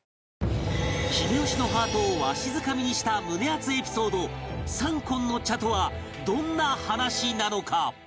秀吉のハートをわしづかみにした胸アツエピソード「三献の茶」とはどんな話なのか？